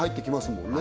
もんね